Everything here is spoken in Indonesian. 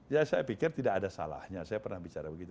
ya saya pikir tidak ada salahnya saya pernah bicara begitu